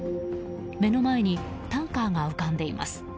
目の前にタンカーが浮かんでいます。